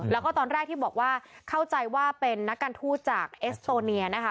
แล้วก็ตอนแรกที่บอกว่าเข้าใจว่าเป็นนักการทูตจากเอสโตเนียนะคะ